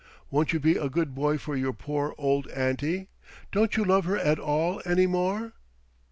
Won't you be a good boy for your poor old auntie? Don't you love her at all any more?"